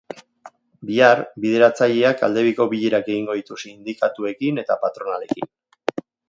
Bihar, bideratzaileak aldebiko bilerak egingo ditu sindikatuekin eta patronalekin.